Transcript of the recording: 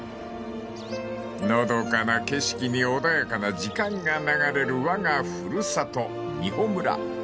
［のどかな景色に穏やかな時間が流れるわが古里美浦村］